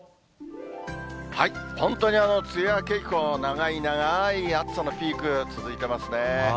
本当に梅雨明け以降、長い長い暑さのピーク続いてますね。